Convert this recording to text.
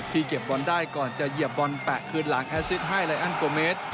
เก็บบอลได้ก่อนจะเหยียบบอลแปะคืนหลังแอสซิตให้ไลอันโกเมตร